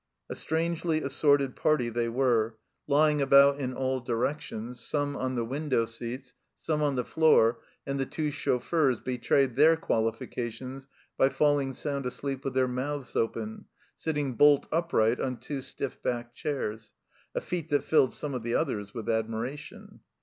A strangely assorted party they were, lying about THE RETREAT 47 in all directions, some on the window seats, some on the floor, and the two chauffeurs betrayed their qualifications by falling sound asleep with their mouths open, sitting bolt upright on two stiff backed chairs, a feat that filled some of the others with admiration.